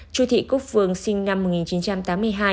chu thị cúc phương sinh năm một nghìn chín trăm tám mươi hai